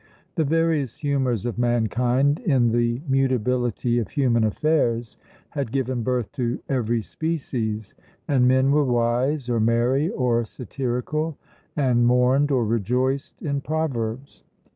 The various humours of mankind, in the mutability of human affairs, had given birth to every species; and men were wise, or merry, or satirical, and mourned or rejoiced in proverbs.